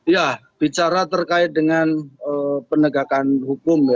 ya bicara terkait dengan penegakan hukum